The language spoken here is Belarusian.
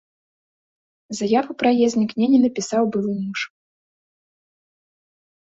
Заяву пра яе знікненне напісаў былы муж.